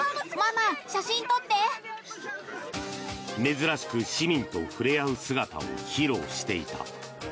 珍しく、市民と触れ合う姿を披露していた。